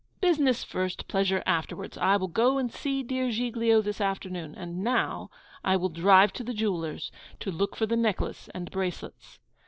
Business first; pleasure afterwards. I will go and see dear Giglio this afternoon; and now I will drive to the jeweller's, to look for the necklace and bracelets.